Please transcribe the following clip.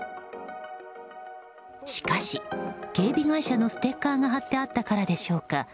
しかし、警備会社のステッカーが貼ってあったからでしょうか。